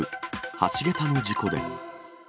橋桁の事故で。